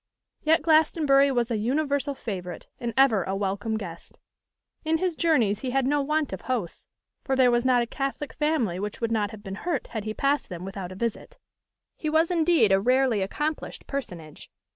Yet Glastonbury was an universal favourite, and ever a welcome guest. In his journeys he had no want of hosts; for there was not a Catholic family which would not have been hurt had he passed them without a visit. He was indeed a rarely accomplished personage.